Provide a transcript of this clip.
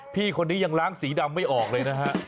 พี่คนนี้ยังล้างสีดำไม่ออกเลยนะฮะ